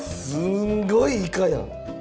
すんごいイカやん！ですね。